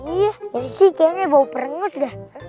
iya sih kayaknya bau perengus deh